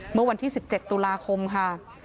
เมื่อวันที่๑๗ตุลาคมค่ะ